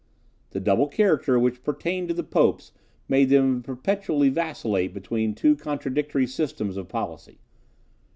The double character which pertained to the Popes made them perpetually vacillate between two contradictory systems of policy.